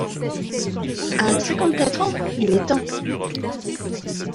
À cinquante-quatre ans, il est temps !